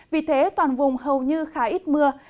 vì thế toàn vùng hầu như khá ít mưa